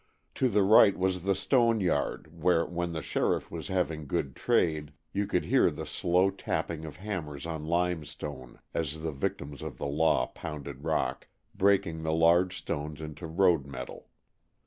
To the right was the stone yard where, when the sheriff was having good trade, you could hear the slow tapping of hammers on limestone as the victims of the law pounded rock, breaking the large stones into road metal.